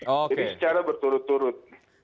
jadi secara berturut turut